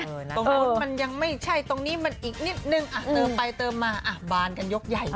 ตรงนู้นมันยังไม่ใช่ตรงนี้มันอีกนิดนึงเติมไปเติมมาบานกันยกใหญ่